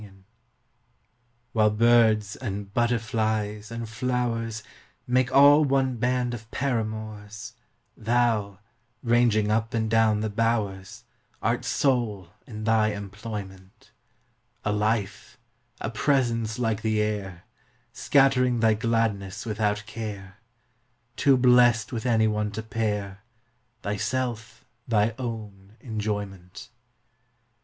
580 GEORGIAN VERSE While birds, and butterflies, and flowers Make all one band of paramours, Thou, ranging up and down the bowers, Art sole in thy employment: A Life, a Presence like the Air, Scattering thy gladness without care, Too blest with any one to pair; Thyself thy own enjoyment.